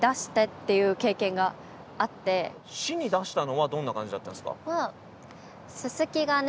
市に出したのはどんな感じだったんですか？